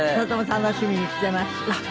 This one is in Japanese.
とても楽しみにしてました。